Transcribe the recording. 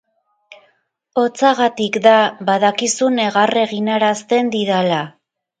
Hotzagatik da, badakizu negar eginarazten didala.